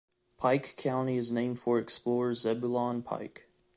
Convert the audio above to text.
Pike County is named for explorer Zebulon Pike.